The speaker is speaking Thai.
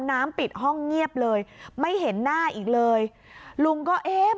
ปิดห้องเงียบเลยไม่เห็นหน้าอีกเลยลุงก็เอ๊ะ